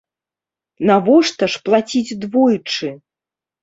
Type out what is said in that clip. Навошта ж плаціць двойчы?